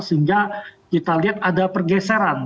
sehingga kita lihat ada pergeseran